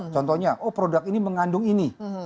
contohnya oh produk ini mengandung ini